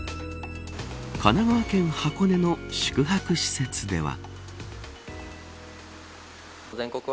神奈川県箱根の宿泊施設では。